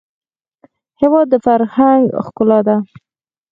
هېواد د فرهنګ ښکلا ده.